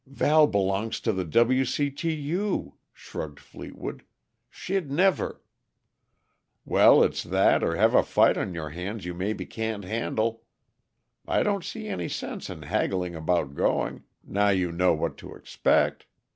"Val belongs to the W.C.T.U.," shrugged Fleetwood. "She'd never " "Well, it's that or have a fight on your hands you maybe can't handle. I don't see any sense in haggling about going, now you know what to expect.